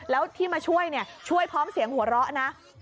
แล้วที่มาช่วยเนี่ยช่วยพร้อมเสียงหัวเราะนะ